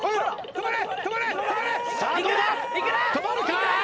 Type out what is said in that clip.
止まるか？